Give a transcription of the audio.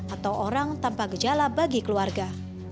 atau orang tanpa gejala bagi keluarga